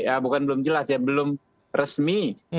ya bukan belum jelas ya belum resmi